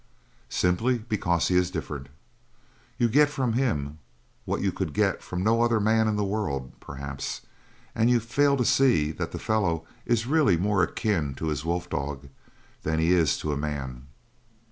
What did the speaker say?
"Simply because he is different. You get from him what you could get from no other man in the world, perhaps, and you fail to see that the fellow is really more akin to his wolf dog than he is to a man."